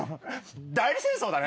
代理戦争だね。